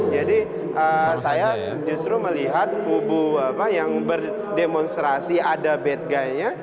jadi saya justru melihat kubu yang berdemonstrasi ada bad guy nya